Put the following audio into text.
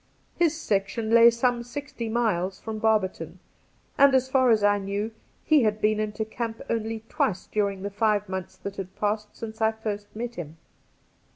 His section lay some sixty miles from Barberton, and, as far as I knew, he had been into camp only twice during the five months that had passed since I had first met him.